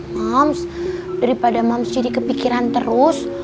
moms daripada moms jadi kepikiran terus